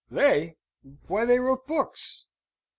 "They! Why, they wrote books."